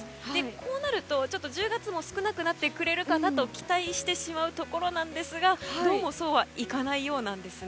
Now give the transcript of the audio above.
こうなると１０月も少なくなってくれるかなと期待してしまうところなんですがどうもそうはいかないようなんです。